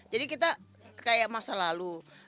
jadi kita kayak masa lalu